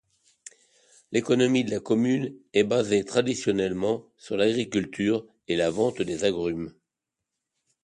L'économie de la commune est basée traditionnellement sur l'agriculture et la vente des agrumes.